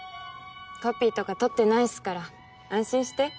コピーとか取ってないっすから安心して。